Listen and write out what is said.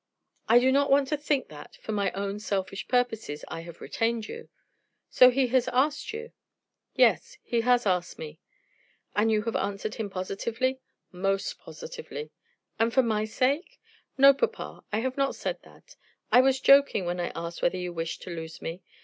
"I do not want to think that for my own selfish purposes I have retained you. So he has asked you?" "Yes; he has asked me." "And you have answered him positively?" "Most positively." "And for my sake?" "No, papa; I have not said that. I was joking when I asked whether you wished to lose me.